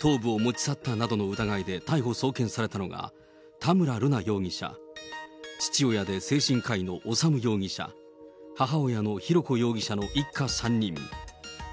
頭部を持ち去ったなどの疑いで逮捕・送検されたのが、田村瑠奈容疑者、父親で精神科医の修容疑者、母親の浩子容疑者の一家３人。